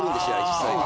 実際に。